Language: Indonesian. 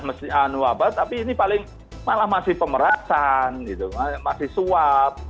mesin anu abad tapi ini paling malah masih pemerasan gitu masih suara suara yang lebih baik